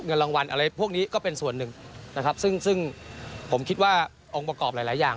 เงินรางวัลอะไรพวกนี้ก็เป็นส่วนหนึ่งนะครับซึ่งซึ่งผมคิดว่าองค์ประกอบหลายหลายอย่าง